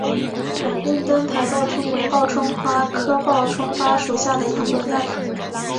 朗贡灯台报春为报春花科报春花属下的一个亚种。